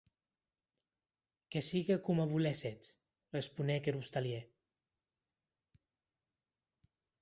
Que sigue coma voléssetz, responec er ostalièr.